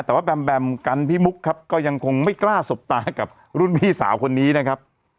แต่ว่าแบมแบมกันพี่มุกครับก็ยังคงไม่กล้าสบตากับรุ่นพี่สาวคนนี้นะครับ